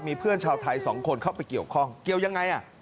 มีเพื่อนชาวไทย๒คนเข้าไปเกี่ยวข้องเกี่ยวยังไง